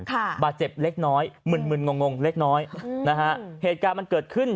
บาดเจ็บเล็กน้อยมึนมึนงงงเล็กน้อยอืมนะฮะเหตุการณ์มันเกิดขึ้น